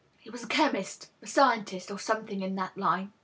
He was a chemist, a scientist^ or something in that line.